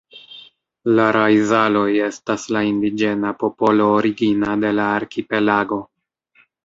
La Raizal-oj estas la indiĝena popolo origina de la arkipelago.